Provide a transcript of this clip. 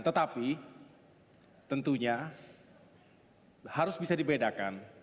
tetapi tentunya harus bisa dibedakan